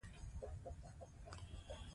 زه د فشار کمولو لپاره ساه اخلم.